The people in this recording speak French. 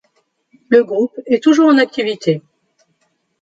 Le groupe est toujours en activité.